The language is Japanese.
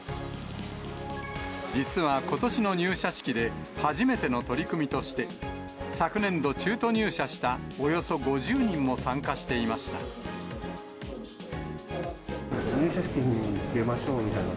実は、ことしの入社式で初めての取り組みとして、昨年度中途入社したおよそ５０人も参加していました。